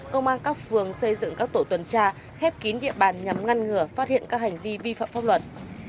công an các phường xây dựng các tổ tuần tra khép kín địa bàn nhằm ngăn ngừa phát hiện các hành vi vi phạm pháp luật